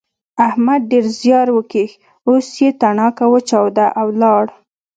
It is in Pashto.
احمد ډېر زیار وکيښ اوس يې تڼاکه وچاوده او ولاړ.